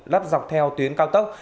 lắp dọc theo các tuyến cao tốc